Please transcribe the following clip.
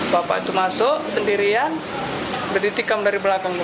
bapak itu masuk sendirian berdikam dari belakang